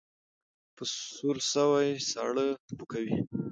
ـ په سور سوى، ساړه پو کوي.